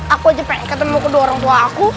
aku aja pengen ketemu kedua orang tua aku